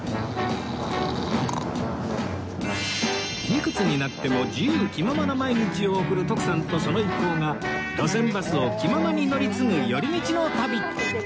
いくつになっても自由気ままな毎日を送る徳さんとその一行が路線バスを気ままに乗り継ぐ寄り道の旅